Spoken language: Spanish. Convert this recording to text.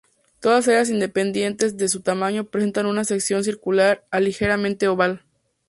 Todas ellas independientemente de su tamaño presentan una sección circular a ligeramente oval.